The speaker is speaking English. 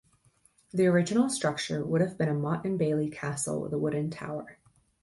The original structure would have been a motte-and-bailey castle with a wooden tower.